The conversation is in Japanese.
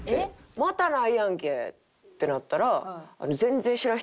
またないやんけ！ってなったら。